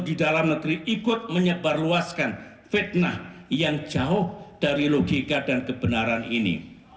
di dalam negeri ikut menyebarluaskan fitnah yang jauh dari logika dan kebenaran ini